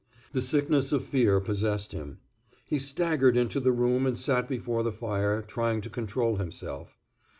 The sickness of fear possessed him. He staggered into the room and sat before the fire, trying to control himself.